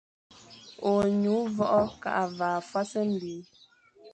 Ônyu vogho ke vaʼa fwas mbil.